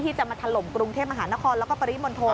จะมาถล่มกรุงเทพมหานครแล้วก็ปริมณฑล